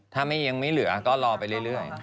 ถ้ายังไม่เหลือก็รอไปเรื่อย